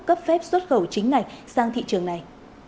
cấp phép xuất khẩu chính ngạch sang thị trường này